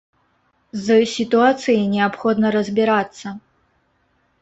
З сітуацыяй неабходна разбірацца.